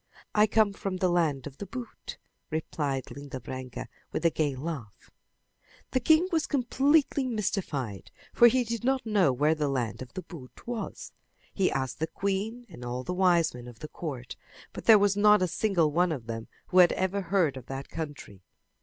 "I come from the land of the boot," replied Linda Branca with a gay laugh. The king was completely mystified, for he did not know where the land of the boot was. He asked the queen and all the wisemen of the court, but there was not a single one of them who had ever heard of that country.